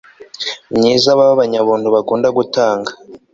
myiza babe abanyabuntu bakunda gutanga